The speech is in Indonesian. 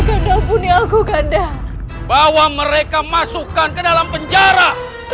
kandang bunyi aku kandang bahwa mereka masukkan ke dalam penjara